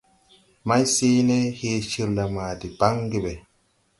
Mayseeele he cirla ma de baŋge ɓɛ.